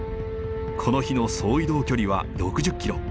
この日の総移動距離は６０キロ。